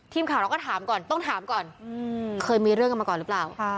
ทีมข่าวเราก็ถามก่อนต้องถามก่อนเคยมีเรื่องกันมาก่อนหรือเปล่า